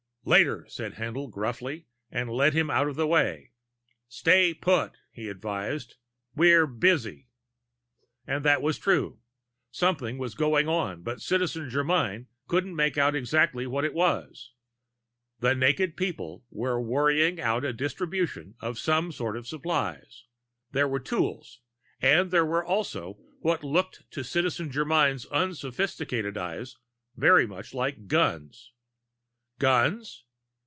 "Later," said Haendl gruffly, and led him out of the way. "Stay put," he advised. "We're busy." And that was true. Something was going on, but Citizen Germyn couldn't make out exactly what it was. The naked people were worrying out a distribution of some sort of supplies. There were tools and there were also what looked to Citizen Germyn's unsophisticated eyes very much like guns. Guns?